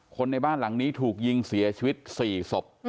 คนในบ้านหลังนี้ถูกยิงเสียชีวิต๔ศพ